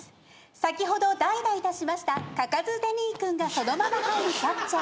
先ほど代打いたしました高津デニー君がそのまま入りキャッチャー。